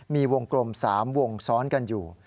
มีวงกลม๓วงซ้อนกันอยู่